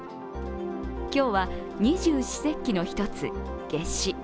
今日は二十四節気の１つ、夏至。